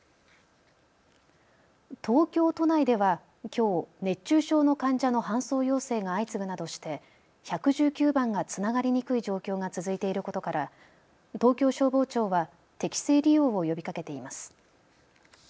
東京都内ではきょう、熱中症の患者の搬送要請が相次ぐなどして１１９番がつながりにくい状況が続いていることから東京消防庁は適正利用を呼びかけています。